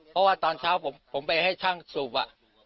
เพราะว่าตอนเช้าผมไปให้ช่างสูบอ่ะ